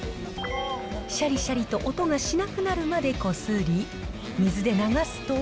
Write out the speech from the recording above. しゃりしゃりと音がしなくなるまでこすり、水で流すと。